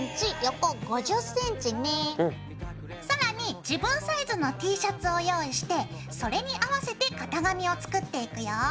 更に自分サイズのＴシャツを用意してそれに合わせて型紙を作っていくよ。